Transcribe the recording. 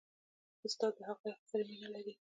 استاد د حقایقو سره مینه لري.